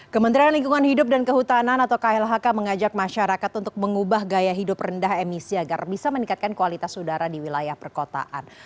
kementerian lingkungan hidup dan kehutanan atau klhk mengajak masyarakat untuk mengubah gaya hidup rendah emisi agar bisa meningkatkan kualitas udara di wilayah perkotaan